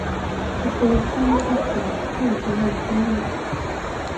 Jag står i stor tacksamhetsskuld till hennes föräldrar.